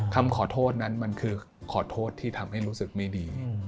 คำขอโทษนั้นมันคือขอโทษที่ทำให้รู้สึกไม่ดี